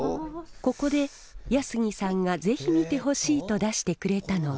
ここで八杉さんが是非見てほしいと出してくれたのが。